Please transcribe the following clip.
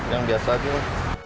yang biasa aja